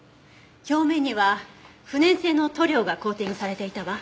表面には不燃性の塗料がコーティングされていたわ。